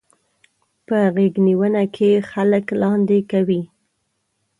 په غېږنيونه کې خلک لاندې کوي.